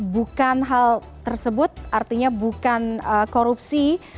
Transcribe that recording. bukan hal tersebut artinya bukan korupsi